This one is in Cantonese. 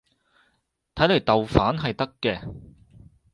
睇嚟豆瓣係得嘅